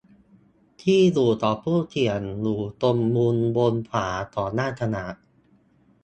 ที่อยู่ของผู้เขียน อยู่ตรงมุมบนขวาของหน้ากระดาษ